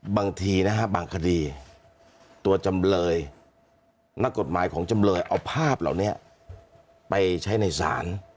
บางทีตัวจำเลยนักกฎหมายของจำเลยเอาภาพเหล่านี้ไปใช้ในสาร